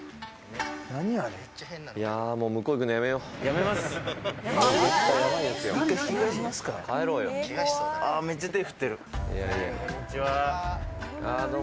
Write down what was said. もう向こう行くのやめよう。